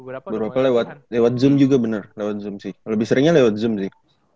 berapa lewat zoom juga benar lewat zoom sih lebih seringnya lewat zoom sih